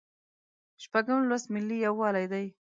شپږم لوست ملي یووالی دی.